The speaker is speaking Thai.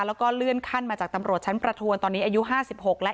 แล้วก็เลื่อนขั้นมาจากตำรวจชั้นประทวนตอนนี้อายุ๕๖แล้ว